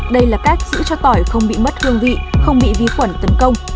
đây là cách giữ cho tỏi không bị mất hương vị không bị vi khuẩn tấn công